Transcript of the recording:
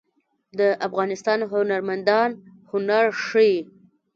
د افغانستان هنرمندان هنر ښيي